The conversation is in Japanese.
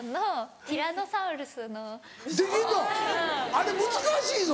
あれ難しいぞ。